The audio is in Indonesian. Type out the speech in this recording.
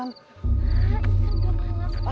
hah kita mau kemana